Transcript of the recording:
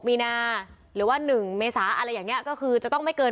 ปีนาหรือว่าหนึ่งเมศะอะไรอย่างเงี้ยก็คือจะต้องไม่เกิน